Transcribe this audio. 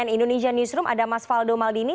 di cnn indonesia newsroom ada mas valdo maldini